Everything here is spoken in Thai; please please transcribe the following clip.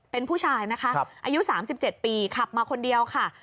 เป็นผู้ชายนะคะอายุ๓๗ปีขับมาคนเดียวค่ะ